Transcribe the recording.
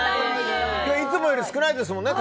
いつもより少ないですもんね